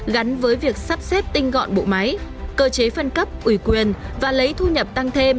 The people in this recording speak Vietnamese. gắn với việc sắp xếp tinh gọn bộ máy cơ chế phân cấp ủy quyền và lấy thu nhập tăng thêm